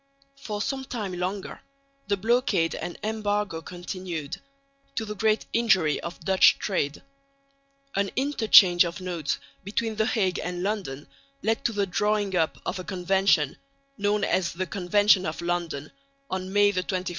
For some time longer the blockade and embargo continued, to the great injury of Dutch trade. An interchange of notes between the Hague and London led to the drawing up of a convention, known as the Convention of London, on May 21, 1833.